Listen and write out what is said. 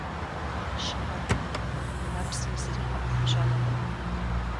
Щыгъэт, нэпсым зыри къыпхуищӀэнукъым.